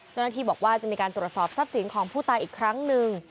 เจ้าหน้าที่บอกว่าจะมีการตรวจสอบทรัพย์สินของผู้ตายอีกครั้งหนึ่ง